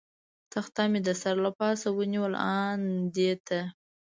تخته مې د سر له پاسه ونیول، آن دې ته.